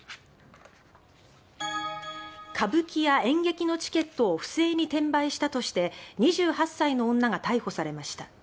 歌舞伎や演劇のチケットを不正に転売したとして２８歳の女が逮捕されました。